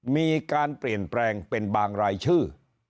มีการเปลี่ยนแปลงเป็นบางรายชื่อ